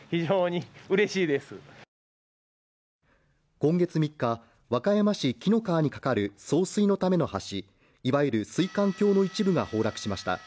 今月３日、和歌山市紀の川にかかる送水のための橋、いわゆる水管橋の一部が崩落しました。